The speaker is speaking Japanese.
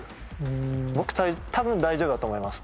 僕多分大丈夫だと思います